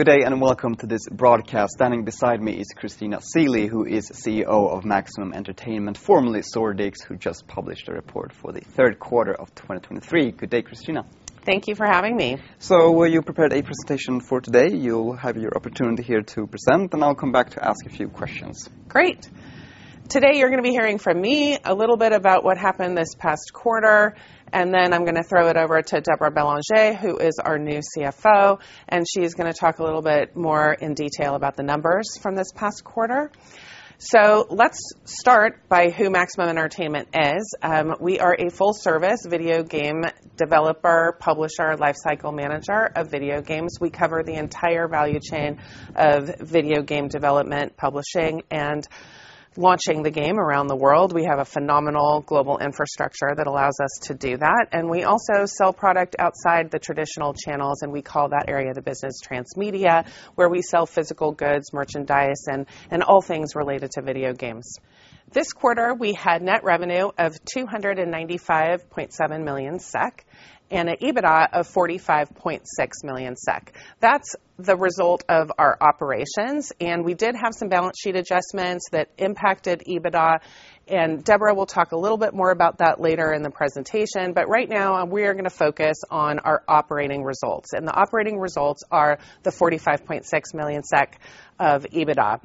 Good day, and welcome to this broadcast. Standing beside me is Christina Seelye, who is CEO of Maximum Entertainment, formerly Zordix, who just published a report for the third quarter of 2023. Good day, Christina. Thank you for having me. You prepared a presentation for today. You'll have your opportunity here to present, then I'll come back to ask a few questions. Great. Today, you're going to be hearing from me a little bit about what happened this past quarter, and then I'm going to throw it over to Deborah Bellangé, who is our new CFO, and she's going to talk a little bit more in detail about the numbers from this past quarter. Let's start by who Maximum Entertainment is. We are a full-service video game developer, publisher, life cycle manager of video games. We cover the entire value chain of video game development, publishing, and launching the game around the world. We have a phenomenal global infrastructure that allows us to do that, and we also sell product outside the traditional channels, and we call that area of the business transmedia, where we sell physical goods, merchandise, and all things related to video games. This quarter, we had net revenue of 295.7 million SEK and an EBITDA of 45.6 million SEK. That's the result of our operations, and we did have some balance sheet adjustments that impacted EBITDA, and Deborah will talk a little bit more about that later in the presentation. But right now, we are going to focus on our operating results, and the operating results are the 45.6 million SEK of EBITDA.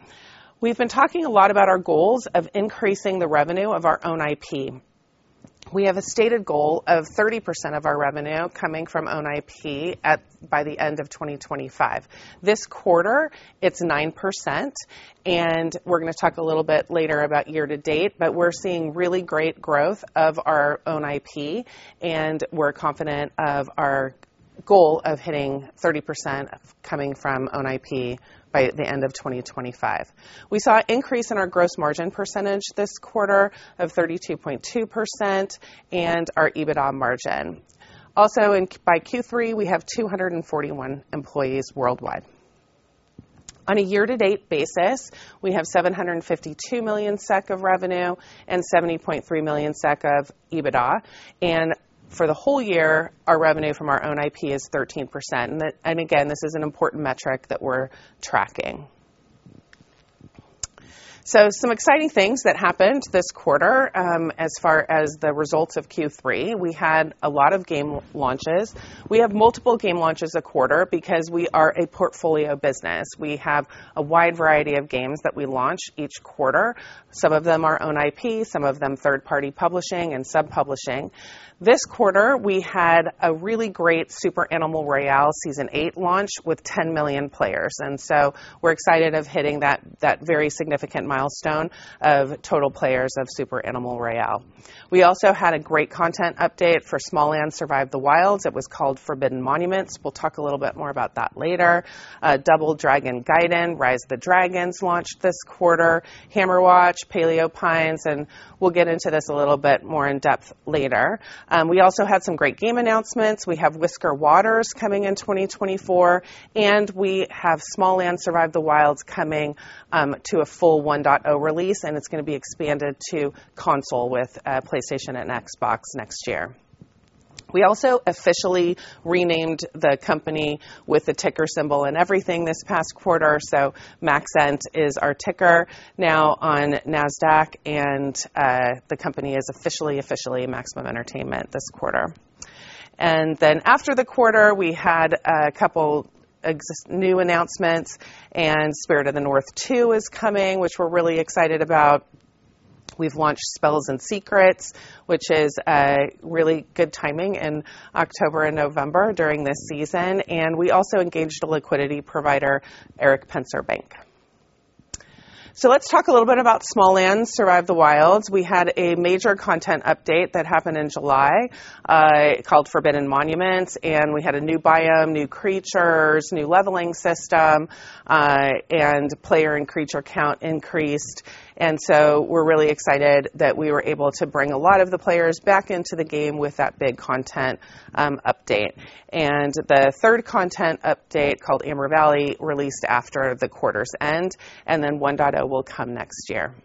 We've been talking a lot about our goals of increasing the revenue of our own IP. We have a stated goal of 30% of our revenue coming from own IP by the end of 2025. This quarter, it's 9%, and we're going to talk a little bit later about year to date, but we're seeing really great growth of our own IP, and we're confident of our goal of hitting 30% coming from own IP by the end of 2025. We saw an increase in our gross margin percentage this quarter of 32.2% and our EBITDA margin. Also, by Q3, we have 241 employees worldwide. On a year-to-date basis, we have 752 million SEK of revenue and 70.3 million SEK of EBITDA, and for the whole year, our revenue from our own IP is 13%. And again, this is an important metric that we're tracking. So some exciting things that happened this quarter, as far as the results of Q3, we had a lot of game launches. We have multiple game launches a quarter because we are a portfolio business. We have a wide variety of games that we launch each quarter. Some of them are own IP, some of them third-party publishing and sub-publishing. This quarter, we had a really great Super Animal Royale Season Eight launch with 10 million players, and so we're excited of hitting that, that very significant milestone of total players of Super Animal Royale. We also had a great content update for Smalland: Survive the Wilds. It was called Forbidden Monuments. We'll talk a little bit more about that later. Double Dragon Gaiden: Rise of the Dragons launched this quarter, Hammerwatch, Paleo Pines, and we'll get into this a little bit more in depth later. We also had some great game announcements. We have Whisker Waters coming in 2024, and we have Smalland: Survive the Wilds coming to a full 1.0 release, and it's going to be expanded to console with PlayStation and Xbox next year. We also officially renamed the company with the ticker symbol and everything this past quarter, so MAXENT is our ticker now on Nasdaq, and the company is officially Maximum Entertainment this quarter. Then after the quarter, we had a couple new announcements, and Spirit of the North 2 is coming, which we're really excited about. We've launched Spells & Secrets, which is a really good timing in October and November during this season, and we also engaged a liquidity provider, Erik Penser Bank. So let's talk a little bit about Smalland: Survive the Wilds. We had a major content update that happened in July, called Forbidden Monuments, and we had a new biome, new creatures, new leveling system, and player and creature count increased, and so we're really excited that we were able to bring a lot of the players back into the game with that big content update. The third content update, called Amber Valley, released after the quarter's end, and then 1.0 will come next year.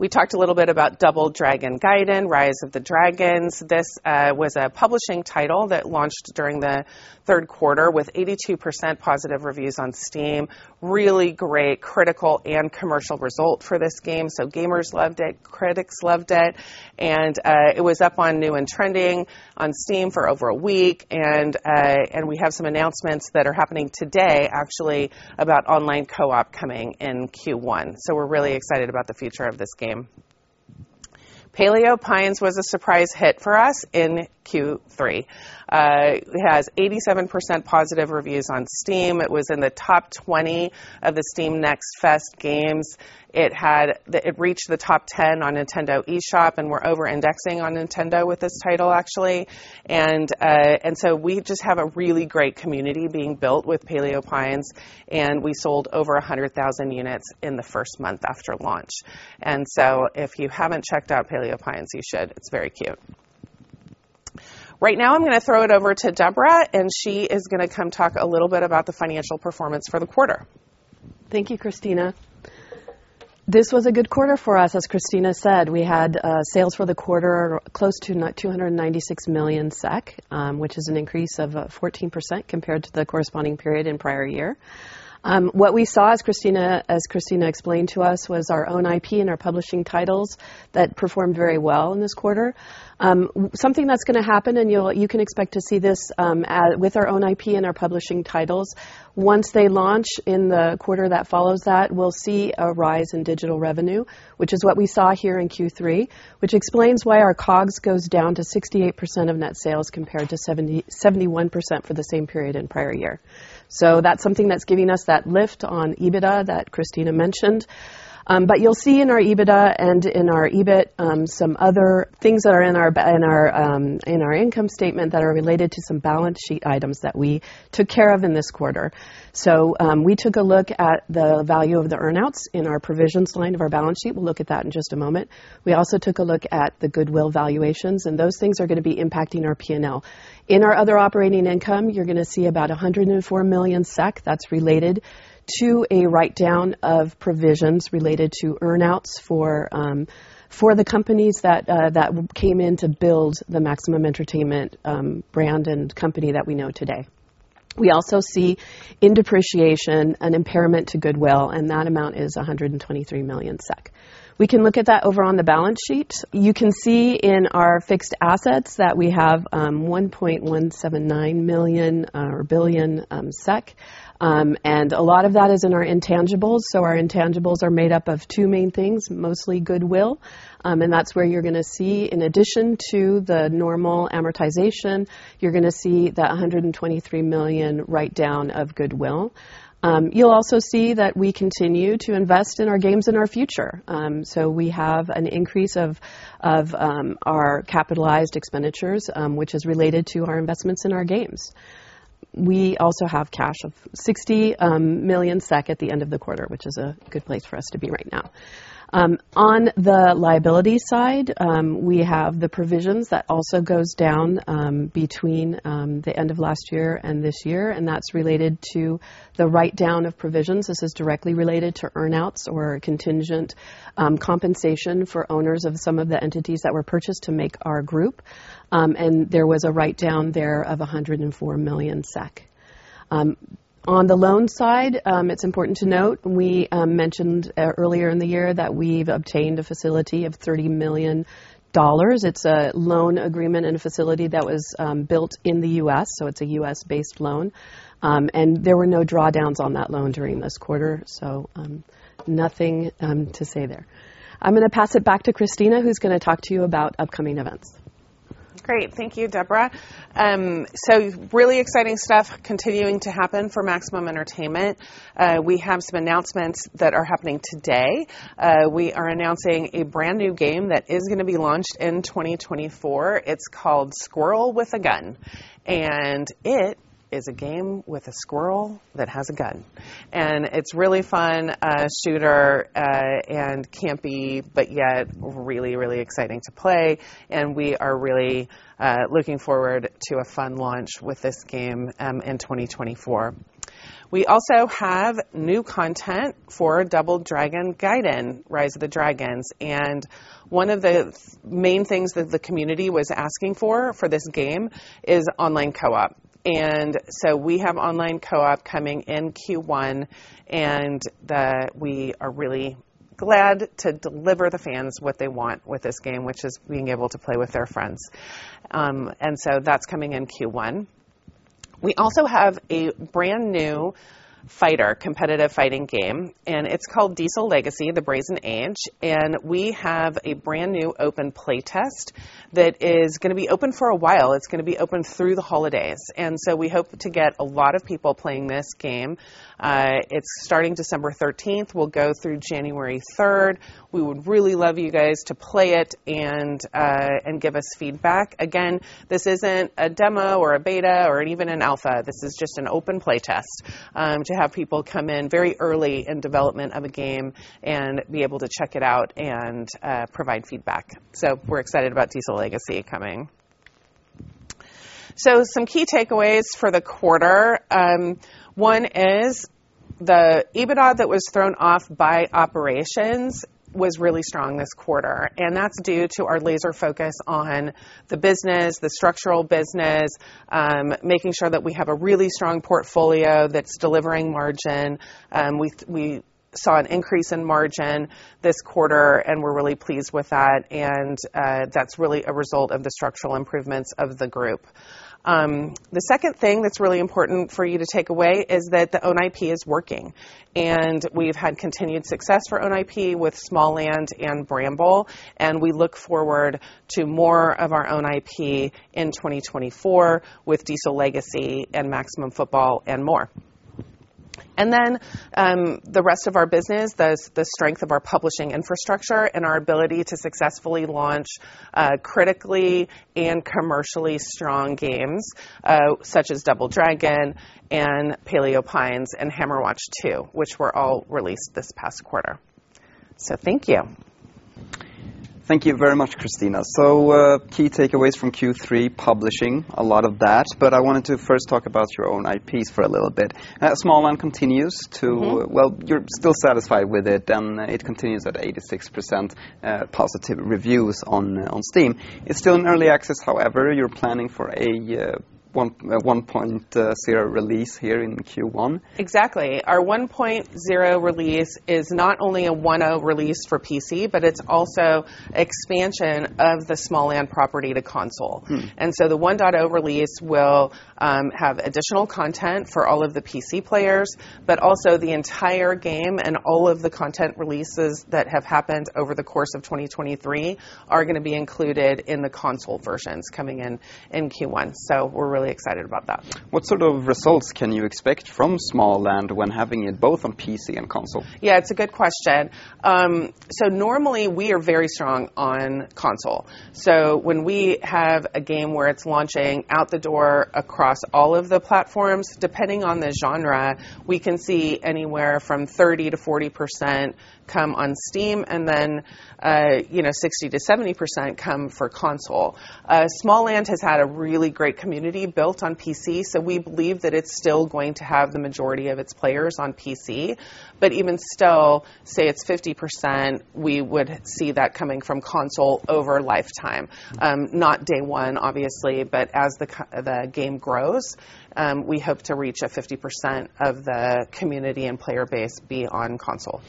We talked a little bit about Double Dragon Gaiden: Rise of the Dragons. This was a publishing title that launched during the third quarter with 82% positive reviews on Steam. Really great critical and commercial result for this game. So gamers loved it, critics loved it, and it was up on New and Trending on Steam for over a week, and we have some announcements that are happening today, actually, about online co-op coming in Q1. So we're really excited about the future of this game. Paleo Pines was a surprise hit for us in Q3. It has 87% positive reviews on Steam. It was in the top 20 of the Steam Next Fest games. It reached the top 10 on Nintendo eShop, and we're over-indexing on Nintendo with this title, actually. And so we just have a really great community being built with Paleo Pines, and we sold over 100,000 units in the first month after launch. And so if you haven't checked out Paleo Pines, you should. It's very cute. Right now, I'm going to throw it over to Deborah, and she is going to come talk a little bit about the financial performance for the quarter. Thank you, Christina. This was a good quarter for us. As Christina said, we had sales for the quarter close to 296 million SEK, which is an increase of 14% compared to the corresponding period in prior year. What we saw, as Christina explained to us, was our own IP and our publishing titles that performed very well in this quarter. Something that's gonna happen, and you can expect to see this with our own IP and our publishing titles, once they launch in the quarter that follows that, we'll see a rise in digital revenue, which is what we saw here in Q3, which explains why our COGS goes down to 68% of net sales, compared to 71% for the same period in prior year. So that's something that's giving us that lift on EBITDA that Christina mentioned. But you'll see in our EBITDA and in our EBIT, some other things that are in our income statement that are related to some balance sheet items that we took care of in this quarter. So, we took a look at the value of the earn-outs in our provisions line of our balance sheet. We'll look at that in just a moment. We also took a look at the goodwill valuations, and those things are gonna be impacting our P&L. In our other operating income, you're gonna see about 104 million SEK. That's related to a writedown of provisions related to earn-outs for the companies that came in to build the Maximum Entertainment brand and company that we know today. We also see in depreciation, an impairment to goodwill, and that amount is 123 million SEK. We can look at that over on the balance sheet. You can see in our fixed assets that we have 1.179 billion SEK, and a lot of that is in our intangibles. So our intangibles are made up of two main things, mostly goodwill, and that's where you're gonna see, in addition to the normal amortization, you're gonna see that 123 million write-down of goodwill. You'll also see that we continue to invest in our games and our future. So we have an increase of our capitalized expenditures, which is related to our investments in our games. We also have cash of 60 million SEK at the end of the quarter, which is a good place for us to be right now. On the liability side, we have the provisions. That also goes down between the end of last year and this year, and that's related to the writedown of provisions. This is directly related to earn-outs or contingent compensation for owners of some of the entities that were purchased to make our group. And there was a writedown there of 104 million SEK. On the loan side, it's important to note, we mentioned earlier in the year that we've obtained a facility of $30 million. It's a loan agreement and a facility that was built in the U.S., so it's a U.S.-based loan. There were no drawdowns on that loan during this quarter, so nothing to say there. I'm gonna pass it back to Christina, who's gonna talk to you about upcoming events. Great. Thank you, Deborah. So really exciting stuff continuing to happen for Maximum Entertainment. We have some announcements that are happening today. We are announcing a brand-new game that is gonna be launched in 2024. It's called Squirrel with a Gun, and it is a game with a squirrel that has a gun, and it's a really fun shooter and campy, but yet really, really exciting to play, and we are really looking forward to a fun launch with this game in 2024. We also have new content for Double Dragon Gaiden: Rise of the Dragons, and one of the main things that the community was asking for, for this game is online co-op. And so we have online co-op coming in Q1, and we are really glad to deliver the fans what they want with this game, which is being able to play with their friends. And so that's coming in Q1. We also have a brand-new fighter, competitive fighting game, and it's called Diesel Legacy: The Brazen Age, and we have a brand-new open playtest that is gonna be open for a while. It's gonna be open through the holidays, and so we hope to get a lot of people playing this game. It's starting December thirteenth, will go through January third. We would really love you guys to play it and, and give us feedback. Again, this isn't a demo or a beta or even an alpha. This is just an open playtest, to have people come in very early in development of a game and be able to check it out and, provide feedback. So we're excited about Diesel Legacy coming. So some key takeaways for the quarter. One is the EBITDA that was thrown off by operations was really strong this quarter, and that's due to our laser focus on the business, the structural business, making sure that we have a really strong portfolio that's delivering margin. We saw an increase in margin this quarter, and we're really pleased with that, and, that's really a result of the structural improvements of the group. The second thing that's really important for you to take away is that the own IP is working, and we've had continued success for own IP with Smalland and Bramble, and we look forward to more of our own IP in 2024 with Diesel Legacy and Maximum Football and more. And then, the rest of our business, the strength of our publishing infrastructure and our ability to successfully launch critically and commercially strong games, such as Double Dragon and Paleo Pines and Hammerwatch II, which were all released this past quarter. So thank you. Thank you very much, Christina. So, key takeaways from Q3 publishing, a lot of that, but I wanted to first talk about your own IPs for a little bit. Smalland continues to. Mm-hmm. Well, you're still satisfied with it, and it continues at 86% positive reviews on Steam. It's still in Early Access, however, you're planning for a 1.0 release here in Q1? Exactly. Our 1.0 release is not only a 1.0 release for PC, but it's also expansion of the Smalland property to console. Hmm. And so the 1.0 release will have additional content for all of the PC players, but also the entire game and all of the content releases that have happened over the course of 2023 are gonna be included in the console versions coming in Q1. So we're really excited about that. What sort of results can you expect from Smalland when having it both on PC and console? Yeah, it's a good question. So normally we are very strong on console, so when we have a game where it's launching out the door across all of the platforms, depending on the genre, we can see anywhere from 30%-40% come on Steam, and then, you know, 60%-70% come for console. Smalland has had a really great community built on PC, so we believe that it's still going to have the majority of its players on PC. But even still, say it's 50%, we would see that coming from console over lifetime. Not day one, obviously, but as the game grows, we hope to reach a 50% of the community and player base be on console.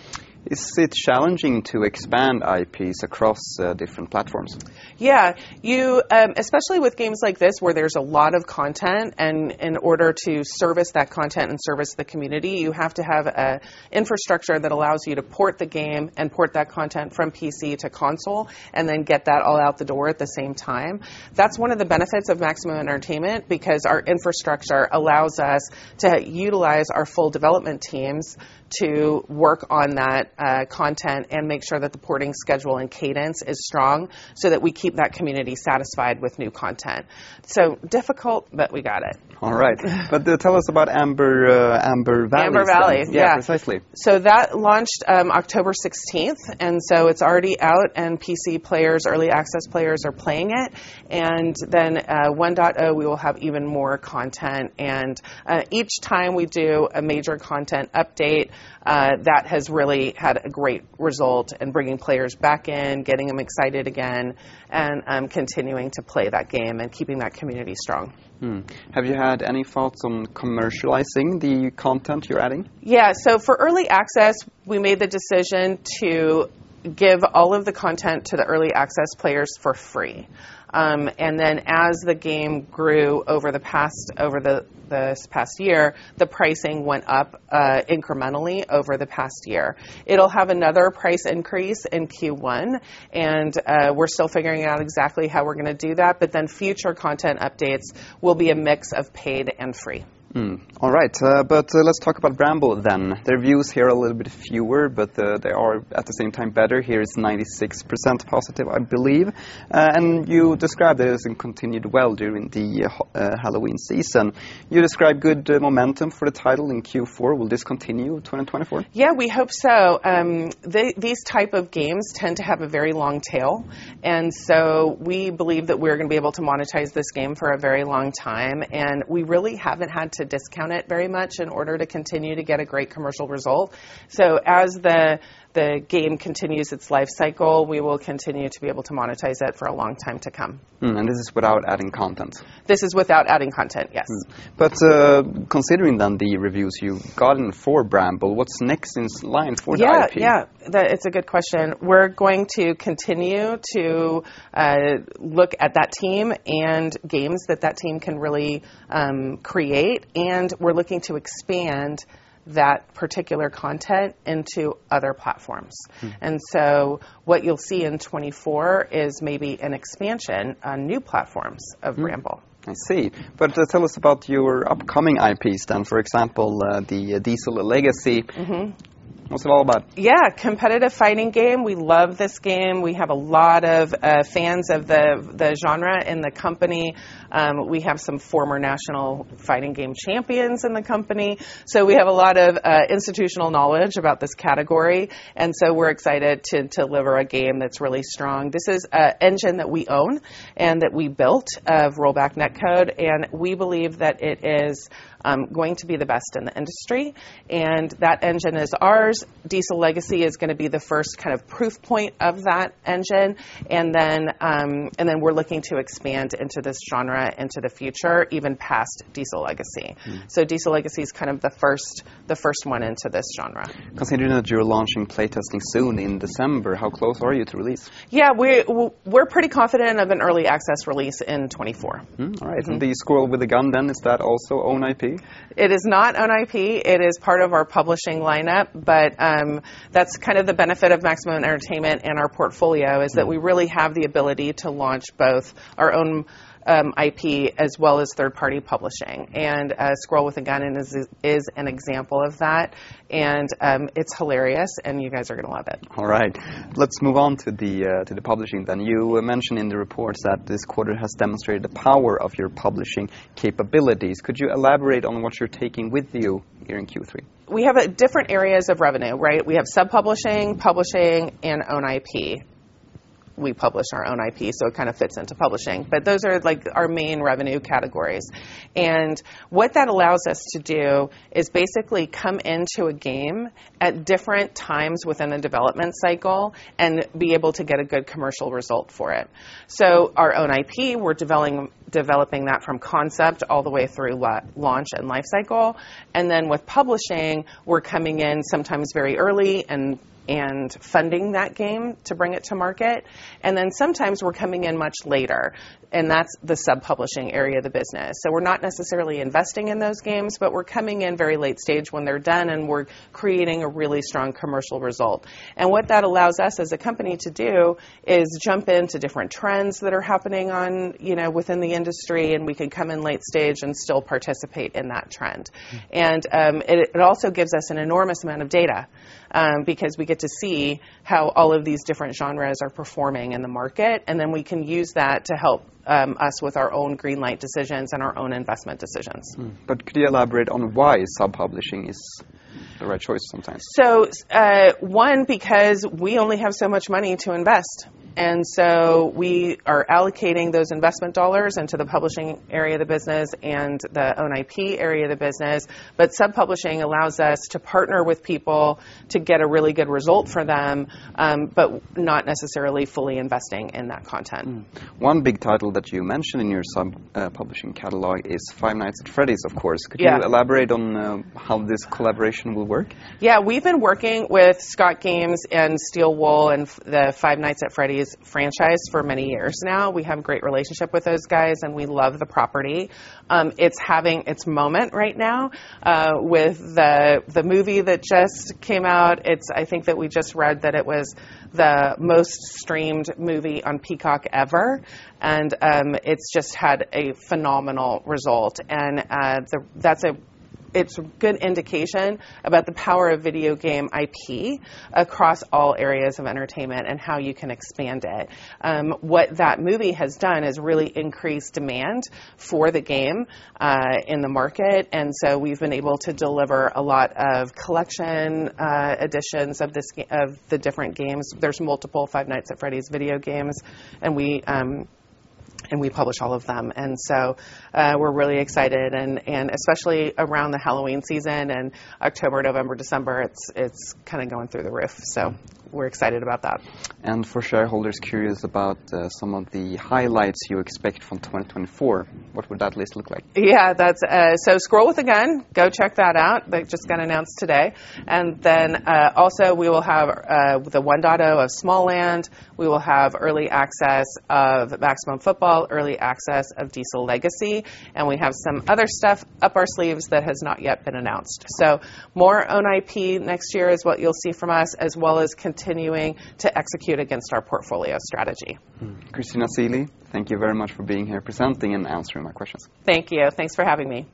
Is it challenging to expand IPs across different platforms? Yeah. You, especially with games like this, where there's a lot of content, and in order to service that content and service the community, you have to have an infrastructure that allows you to port the game and port that content from PC to console, and then get that all out the door at the same time. That's one of the benefits of Maximum Entertainment, because our infrastructure allows us to utilize our full development teams to work on that content and make sure that the porting schedule and cadence is strong, so that we keep that community satisfied with new content. So difficult, but we got it. All right. But, tell us about Amber Valley. Amber Valley, yeah. Yeah, precisely. So that launched October sixteenth, and so it's already out, and PC players, Early Access players, are playing it. And then, 1.0, we will have even more content. And each time we do a major content update, that has really had a great result in bringing players back in, getting them excited again, and continuing to play that game and keeping that community strong. Hmm. Have you had any thoughts on commercializing the content you're adding? Yeah. So for Early Access, we made the decision to give all of the content to the Early Access players for free. And then as the game grew over this past year, the pricing went up incrementally over the past year. It'll have another price increase in Q1, and we're still figuring out exactly how we're gonna do that, but then future content updates will be a mix of paid and free. All right, but let's talk about Bramble then. The reviews here are a little bit fewer, but they are, at the same time, better. Here, it's 96% positive, I believe. And you described it as it continued well during the Halloween season. You described good momentum for the title in Q4. Will this continue in 2024? Yeah, we hope so. These type of games tend to have a very long tail, and so we believe that we're gonna be able to monetize this game for a very long time, and we really haven't had to discount it very much in order to continue to get a great commercial result. So as the game continues its life cycle, we will continue to be able to monetize it for a long time to come. Hmm, this is without adding content? This is without adding content, yes. But, considering then the reviews you've gotten for Bramble, what's next in line for the IP? Yeah. Yeah, it's a good question. We're going to continue to look at that team and games that that team can really create, and we're looking to expand that particular content into other platforms. Hmm. What you'll see in 2024 is maybe an expansion on new platforms of Bramble. I see. But, tell us about your upcoming IPs then. For example, the Diesel Legacy. Mm-hmm. What's it all about? Yeah, competitive fighting game. We love this game. We have a lot of fans of the genre in the company. We have some former national fighting game champions in the company. So we have a lot of institutional knowledge about this category, and so we're excited to deliver a game that's really strong. This is a engine that we own and that we built, of rollback netcode, and we believe that it is going to be the best in the industry, and that engine is ours. Diesel Legacy is gonna be the first kind of proof point of that engine, and then, and then we're looking to expand into this genre into the future, even past Diesel Legacy. Hmm. Diesel Legacy is kind of the first, the first one into this genre. Considering that you're launching playtesting soon in December, how close are you to release? Yeah, we're pretty confident of an early access release in 2024. Hmm, all right. Mm-hmm. The Squirrel with a Gun then, is that also own IP? It is not own IP. It is part of our publishing lineup, but that's kind of the benefit of Maximum Entertainment and our portfolio, is that we really have the ability to launch both our own IP, as well as third-party publishing. And Squirrel with a Gun is an example of that, and it's hilarious, and you guys are gonna love it. All right. Let's move on to the publishing then. You mentioned in the reports that this quarter has demonstrated the power of your publishing capabilities. Could you elaborate on what you're taking with you here in Q3? We have different areas of revenue, right? We have sub-publishing, publishing, and own IP. We publish our own IP, so it kind of fits into publishing. But those are, like, our main revenue categories, and what that allows us to do is basically come into a game at different times within a development cycle and be able to get a good commercial result for it. So our own IP, we're developing that from concept all the way through launch and life cycle. And then with publishing, we're coming in sometimes very early and funding that game to bring it to market, and then sometimes we're coming in much later, and that's the sub-publishing area of the business. So we're not necessarily investing in those games, but we're coming in very late stage when they're done, and we're creating a really strong commercial result. What that allows us as a company to do is jump into different trends that are happening on, you know, within the industry, and we can come in late stage and still participate in that trend. Mm. It also gives us an enormous amount of data, because we get to see how all of these different genres are performing in the market, and then we can use that to help us with our own greenlight decisions and our own investment decisions. But could you elaborate on why sub-publishing is the right choice sometimes? So, one, because we only have so much money to invest, and so we are allocating those investment dollars into the publishing area of the business and the own IP area of the business. But sub-publishing allows us to partner with people to get a really good result for them, but not necessarily fully investing in that content. One big title that you mentioned in your sub-publishing catalog is Five Nights at Freddy's, of course. Yeah. Could you elaborate on how this collaboration will work? Yeah. We've been working with ScottGames and Steel Wool and the Five Nights at Freddy's franchise for many years now. We have a great relationship with those guys, and we love the property. It's having its moment right now with the movie that just came out. I think that we just read that it was the most streamed movie on Peacock ever, and it's just had a phenomenal result. That's a good indication about the power of video game IP across all areas of entertainment and how you can expand it. What that movie has done is really increased demand for the game in the market, and so we've been able to deliver a lot of collection editions of the different games. There's multiple Five Nights at Freddy's video games, and we, and we publish all of them. And so, we're really excited and, and especially around the Halloween season and October, November, December, it's kind of going through the roof, so we're excited about that. For shareholders curious about some of the highlights you expect from 2024, what would that list look like? Yeah, that's... So Squirrel with a Gun, go check that out. That just got announced today. And then, also, we will have the 1.0 of Smalland, we will have early access of Maximum Football, early access of Diesel Legacy, and we have some other stuff up our sleeves that has not yet been announced. So more own IP next year is what you'll see from us, as well as continuing to execute against our portfolio strategy. Mm. Christina Seelye, thank you very much for being here, presenting and answering my questions. Thank you. Thanks for having me.